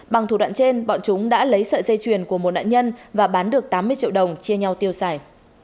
bằng thủ đoạn trên bọn chúng đã lấy sợi dây chuyền của một nạn nhân và bán được tám mươi triệu đồng chia nhau tiêu xài